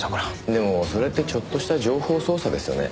でもそれってちょっとした情報操作ですよね。